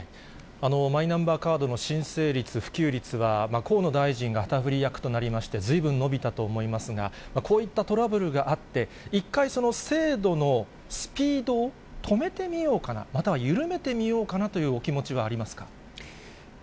マイナンバーカードの申請率、普及率は、河野大臣が旗振り役となりましてずいぶん伸びたと思いますが、こういったトラブルがあって、一回、制度のスピードを止めてみようかな、または緩めてみようかなというお気持ちはありますか。